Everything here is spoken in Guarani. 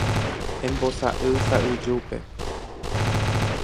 Embosa'y sa'yjúpe.